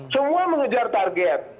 semua mengejar target